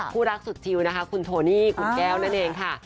คู่รักสุดชิลนะคะคุณโทนี่คุณแก้วนั่นเองค่ะ